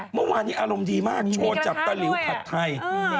เมื่อวานนี้อารมณ์ดีมากโชว์จับตะหลิวผัดไทย